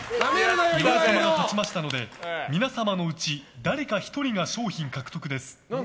岩井様が勝ちましたので皆様のうち誰か１人が賞品獲得です。